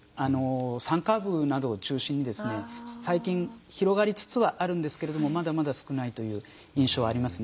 山間部などを中心にですね最近広がりつつはあるんですけれどもまだまだ少ないという印象はありますね。